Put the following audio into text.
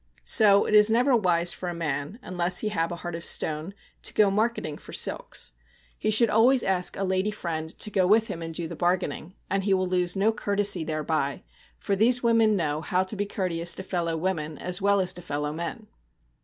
So it is never wise for a man, unless he have a heart of stone, to go marketing for silks. He should always ask a lady friend to go with him and do the bargaining, and he will lose no courtesy thereby, for these women know how to be courteous to fellow women as well as to fellow men.